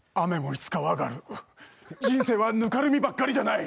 人生はぬかるみばっかりじゃない。